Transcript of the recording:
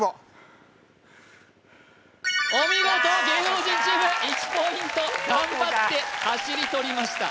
お見事芸能人チーム１ポイント頑張って走りとりました